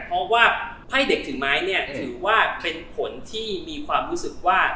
เพราะว่าไพ่เด็กถือไม้ถือว่ามีผลผิวตะวัน